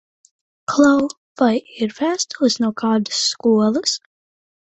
Klau, vai ir vēstules no kādas skolas?